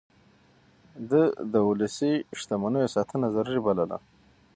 ده د ولسي شتمنيو ساتنه ضروري بلله.